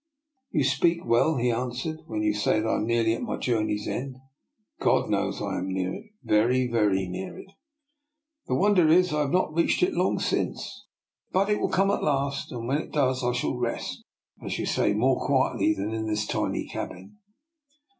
" You speak well," he answered, " when you say that I am nearly at my journey's end. God knows I am near it — very, very near it. The wonder is I have not reached it long since. But it will come at last, and when it comes I shall rest, as you say, more quietly than in this tiny cabin."